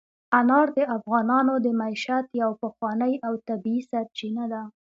انار د افغانانو د معیشت یوه پخوانۍ او طبیعي سرچینه ده.